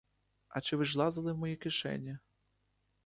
А чи ви ж лазили в мої кишені?